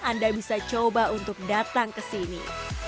anda bisa coba untuk datang ke sini